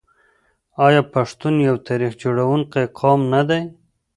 آیا پښتون یو تاریخ جوړونکی قوم نه دی؟